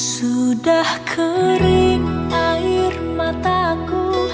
sudah kering air mataku